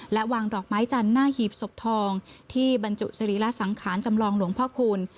และวางดอกไม้จันทร์หน้าหีบศพทองที่บรรจุสรีระสังขารจำลองหลวงพ่อคูณ